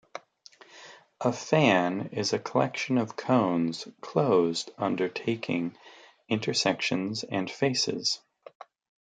A fan is a collection of cones closed under taking intersections and faces.